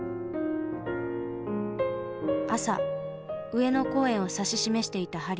朝上野公園を指し示していた針。